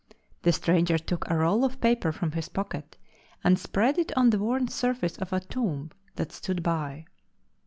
The stranger took a roll of paper from his pocket, and spread it on the worn surface of a tomb that stood by.